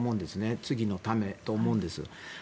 次のためにと思うんです。